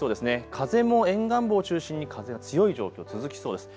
風も沿岸部を中心に風が強い状況、続きそうです。